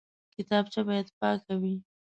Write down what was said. کتابچه باید پاکه وي